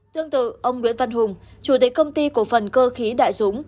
tương tự ông nguyễn văn hùng chủ tịch công ty cổ phần cơ khí đại dũng